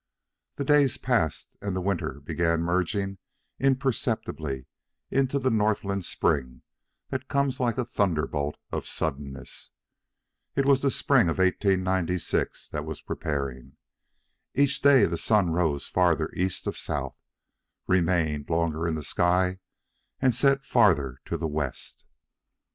The days passed, and the winter began merging imperceptibly into the Northland spring that comes like a thunderbolt of suddenness. It was the spring of 1896 that was preparing. Each day the sun rose farther east of south, remained longer in the sky, and set farther to the west.